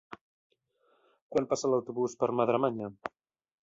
Quan passa l'autobús per Madremanya?